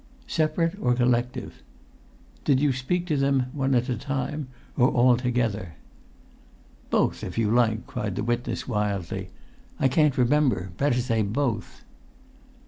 "Separate or collective? Did you speak to them one at a time or all together?" "Both, if you like!" cried the witness, wildly. "I can't remember. Better say both!"